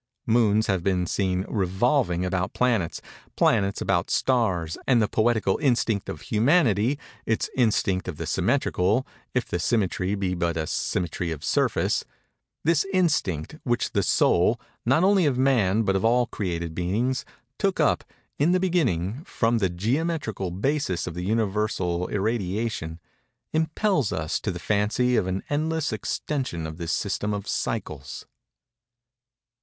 Moons have been seen revolving about planets; planets about stars; and the poetical instinct of humanity—its instinct of the symmetrical, if the symmetry be but a symmetry of surface:—this instinct, which the Soul, not only of Man but of all created beings, took up, in the beginning, from the geometrical basis of the Universal irradiation—impels us to the fancy of an endless extension of this system of cycles.